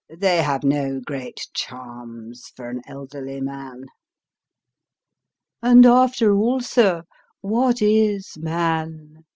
They have no great charms for an elderly man." " And after all, sir, what is man